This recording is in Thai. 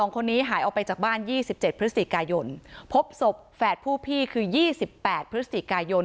คนนี้หายออกไปจากบ้าน๒๗พฤศจิกายนพบศพแฝดผู้พี่คือ๒๘พฤศจิกายน